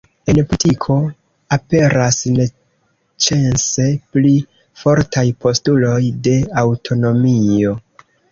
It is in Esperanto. En politiko aperas senĉese pli fortaj postuloj de aŭtonomio.